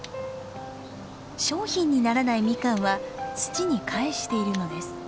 商品にならないミカンは土に返しているのです。